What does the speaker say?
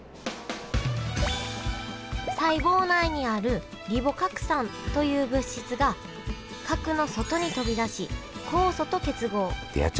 細胞内にあるリボ核酸という物質が核の外に飛び出し酵素と結合。